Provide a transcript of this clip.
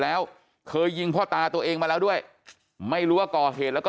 แล้วเคยยิงพ่อตาตัวเองมาแล้วด้วยไม่รู้ว่าก่อเหตุแล้วก็